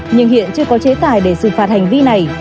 nhưng hiện chưa có chế tài để xử phạt hành vi này